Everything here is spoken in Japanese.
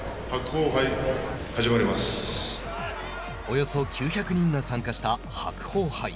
およそ９００人が参加した白鵬杯。